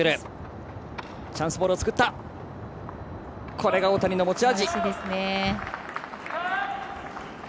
これが大谷の持ち味。